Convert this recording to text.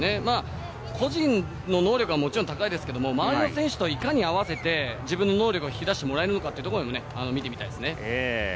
個人の能力はもちろん高いですけれども、周りの選手といかに合わせて自分の能力を引き出してもらえるのかというところも見てみたいですね。